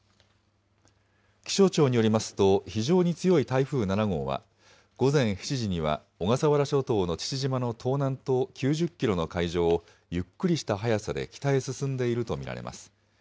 気象庁によりますと、非常に強い台風７号は、午前７時には、小笠原諸島の父島の東南東９０キロの海上を、ゆっくりした速さで北へ進んでいると見られます。